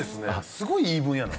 すごい言い分やな。